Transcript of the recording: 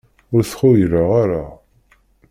Ur t-xuyleɣ ara.